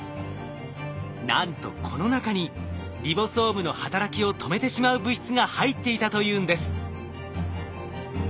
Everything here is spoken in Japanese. なんとこの中にリボソームの働きを止めてしまう物質が入っていたというんです！